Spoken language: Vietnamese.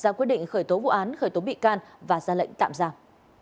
hương quyết định khởi tố vụ án khởi tố bị can và ra lệnh tạm giảm